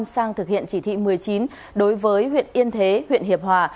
sang thực hiện chỉ thị một mươi chín đối với huyện yên thế huyện hiệp hòa